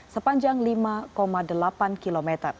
sepanjang lima delapan km